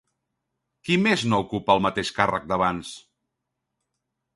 Qui més no ocupa el mateix càrrec d'abans?